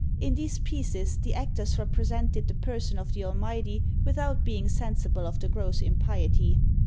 In these pieces the actors represented the person of the Almighty without being sensible of the gross impiety.